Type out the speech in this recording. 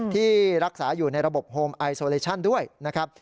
ที่รักษาอยู่ในระบบโฮมไอโซเลชั่นด้วยนะครับ